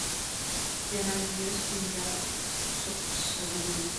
— Яра лиеш гын, язык, — шоктыш Шадрин.